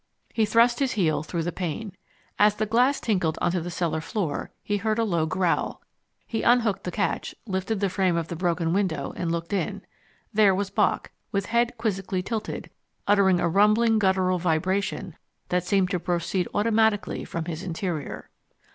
He thrust his heel through the pane. As the glass tinkled onto the cellar floor he heard a low growl. He unhooked the catch, lifted the frame of the broken window, and looked in. There was Bock, with head quizzically tilted, uttering a rumbling guttural vibration that seemed to proceed automatically from his interior.